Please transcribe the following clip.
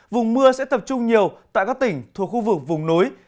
vùng mưa sẽ tập trung nhiều tại các tỉnh thuộc khu vực vùng núi